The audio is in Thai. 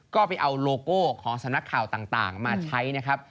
ก็ไปเอาโลโก้ของสำนักข่าวต่างมาใช้นะครับ